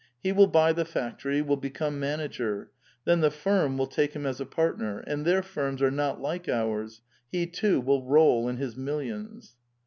He will buy the factory, will become manager ; then the firm will take him as a partner. And their firms are not like ours. He too will roll in his millions."